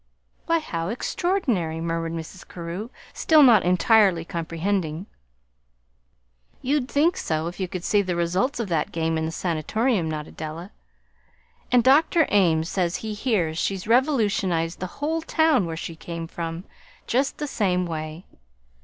"Why, how extraordinary!" murmured Mrs. Carew, still not entirely comprehending. "You'd think so if you could see the results of that game in the Sanatorium," nodded Della; "and Dr. Ames says he hears she's revolutionized the whole town where she came from, just the same way.